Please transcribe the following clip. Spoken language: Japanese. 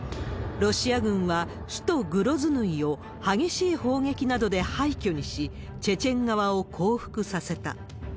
ロシア軍は、首都グロズヌイを激しい砲撃などで廃墟にし、チェチェン側を降伏させた。